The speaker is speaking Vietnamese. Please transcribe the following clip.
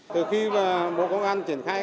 từ khi bộ công an triển khai